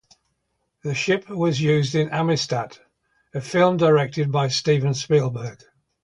The ship was used in Amistad, a film directed by Steven Spielberg.